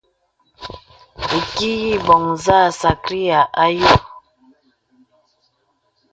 Ìki yə î bɔ̀ŋ nzâ sàkryāy ayò.